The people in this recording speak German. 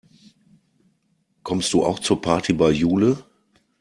Kommst du auch zur Party bei Jule?